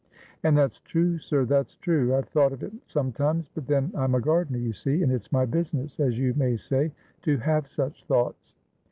"And that's true, sir, that's true. I've thought of it sometimes, but then I'm a gardener, you see, and it's my business, as you may say, to have such thoughts."